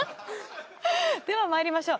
ではまいりましょう。